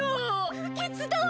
不吉だわ！